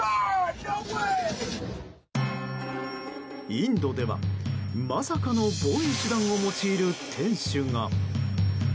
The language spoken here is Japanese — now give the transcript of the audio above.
インドでは、まさかの防衛手段を用いる店主が。